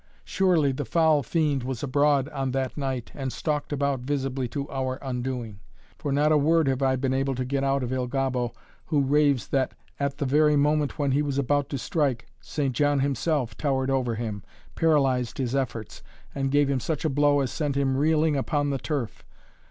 Surely the foul fiend was abroad on that night and stalked about visibly to our undoing. For not a word have I been able to get out of Il Gobbo who raves that at the very moment when he was about to strike, St. John himself towered over him, paralyzed his efforts, and gave him such a blow as sent him reeling upon the turf.